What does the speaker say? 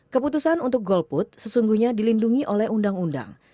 keputusan untuk golput sesungguhnya dilindungi oleh undang undang